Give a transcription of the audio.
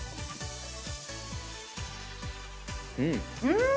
うん！